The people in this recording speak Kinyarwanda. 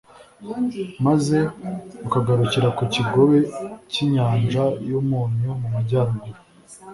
maze rukagarukira ku kigobe cy'inyanja y'umunyu mu majyaruguru